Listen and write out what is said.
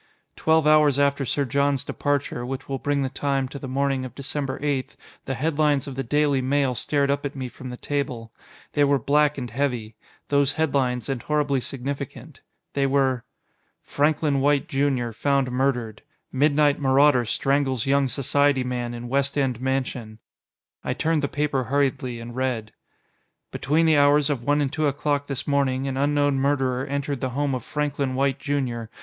Twelve hours after Sir John's departure which will bring the time, to the morning of December 8 the headlines of the Daily Mail stared up at me from the table. They were black and heavy: those headlines, and horribly significant. They were: FRANKLIN WHITE Jr. FOUND MURDERED Midnight Marauder Strangles Young Society Man in West End Mansion I turned the paper hurriedly, and read: Between the hours of one and two o'clock this morning, an unknown murderer entered the home of Franklin White, Jr.